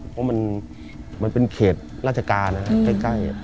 เพราะมันเป็นเขตราชการนะครับใกล้